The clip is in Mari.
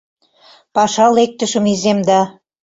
Паша лектышым иземда.